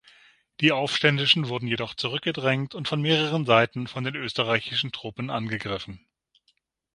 Die Aufständischen wurden jedoch zurückgedrängt und von mehreren Seiten von den österreichischen Truppen angegriffen.